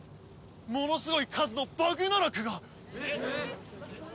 ものすごい数のバグナラクが！？えっ！？